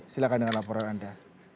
silakan dengan laporan anda